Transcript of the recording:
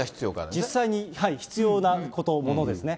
実際に必要なこと、ものですね。